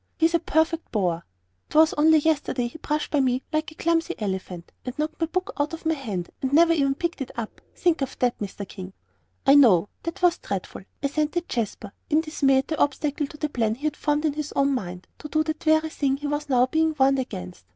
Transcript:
He's a perfect boor. 'Twas only yesterday he brushed by me like a clumsy elephant, and knocked my book out of my hand, and never even picked it up. Think of that, Mr. King!" "I know that was dreadful," assented Jasper, in dismay at the obstacle to the plan he had formed in his own mind, to do that very thing he was now being warned against.